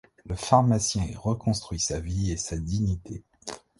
Le pharmacien y reconstruit sa vie et sa dignité.